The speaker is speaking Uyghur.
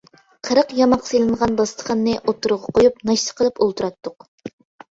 قىرىق ياماق سېلىنغان داستىخاننى ئوتتۇرىغا قويۇپ، ناشتا قىلىپ ئولتۇراتتۇق.